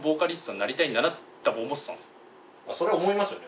それは思いますよね。